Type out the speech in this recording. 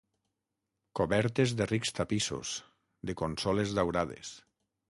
Cobertes de rics tapissos, de consoles daurades